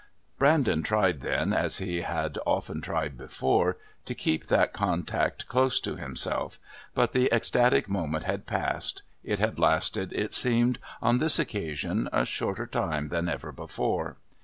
Brandon tried then, as he had often tried before, to keep that contact close to himself, but the ecstatic moment had passed; it had lasted, it seemed, on this occasion a shorter time than ever before.